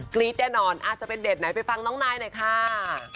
รี๊ดแน่นอนอาจจะเป็นเด็ดไหนไปฟังน้องนายหน่อยค่ะ